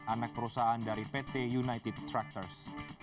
anak perusahaan dari pt united tractors